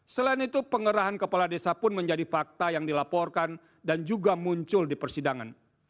selain itu pengerahan kepala desa pun menjadi fakta yang dilaporkan dan juga muncul di persidangan